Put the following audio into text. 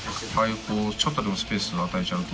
ちょっとでもスペースを与えちゃうと、